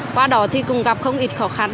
qua đó thì cũng gặp không ít khó khăn